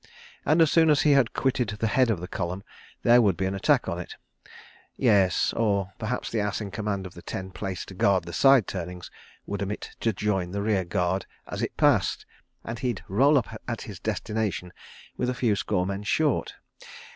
And as soon as he had quitted the head of the column there would be an attack on it! ... Yes—or perhaps the ass in command of the ten placed to guard the side turnings would omit to join the rear guard as it passed—and he'd roll up at his destination, with a few score men short.